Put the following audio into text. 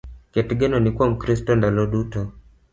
Ket genoni kuom Kristo ndalo duto